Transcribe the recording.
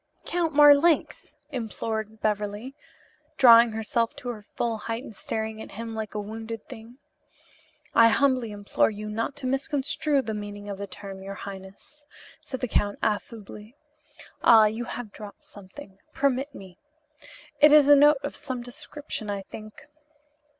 "Count Marlanx!" implored Beverly, drawing herself to her full height and staring at him like a wounded thing. "I humbly implore you not to misconstrue the meaning of the term, your highness," said the Count affably, "Ah, you have dropped something. Permit me. It is a note of some description, I think."